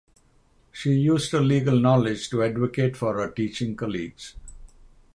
She used her legal knowledge to advocate for her teaching colleagues.